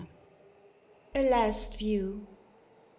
XI. A LAST VIEW.